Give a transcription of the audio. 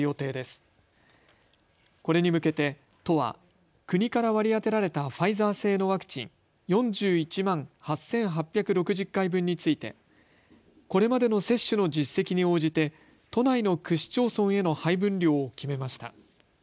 これに向けて都は国から割り当てられたファイザー製のワクチン４１万８８６０回分についてこれまでの接種の実績に応じて都内の区市町村への配分量を決めました。